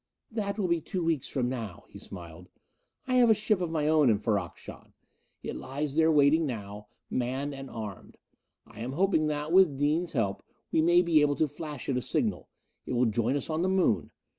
"That will be two weeks from now," he smiled. "I have a ship of my own in Ferrok Shahn. It lies there waiting now, manned and armed. I am hoping that, with Dean's help, we may be able to flash it a signal. It will join us on the Moon.